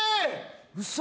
ウソ！？